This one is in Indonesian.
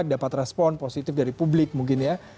dapat respon positif dari publik mungkin ya